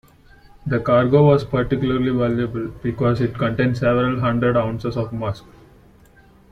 The cargo was particularly valuable because it contained several hundred ounces of musk.